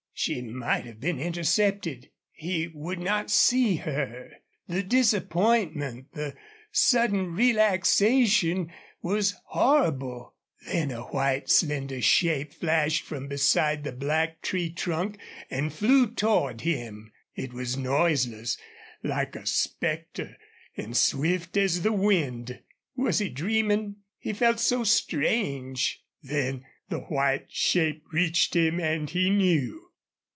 She might have been intercepted. He would not see her. The disappointment, the sudden relaxation, was horrible. Then a white, slender shape flashed from beside the black tree trunk and flew toward him. It was noiseless, like a specter, and swift as the wind. Was he dreaming? He felt so strange. Then the white shape reached him and he knew.